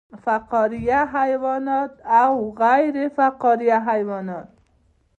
فقاریه حیوانات او غیر فقاریه حیوانات